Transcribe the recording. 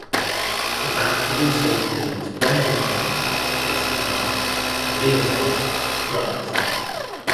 The band also includes Brendon Love (bass guitar) and Liam Gough (drums).